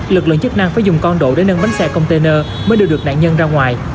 lực lượng chức năng phải dùng con độ để nâng bánh xe container mới đưa được nạn nhân ra ngoài